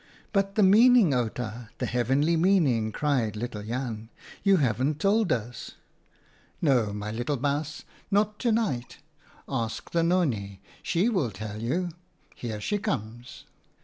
" But the meaning, Outa, the heavenly meaning!" cried little Jan. "You haven't told us." " No, my little baas, not to night. Ask the Nonnie ; she will tell you. Here she comes."